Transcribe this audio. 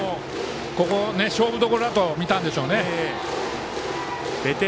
ここを勝負どころだと見たんでしょうね。